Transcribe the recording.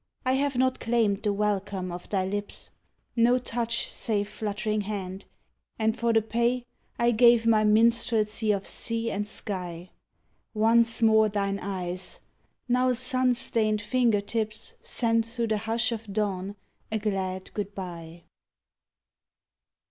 I have not claimed the welcome of thy lips; No touch save fluttering hand, and for the pay I gave my minstrelsy of sea and sky. Once more thine eyes! Now sun stained finger tips, Send through the hush of dawn a glad good bye.